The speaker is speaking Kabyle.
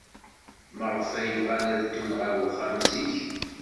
Maɣef ay bɣan ad ddun ɣer uxxam zik?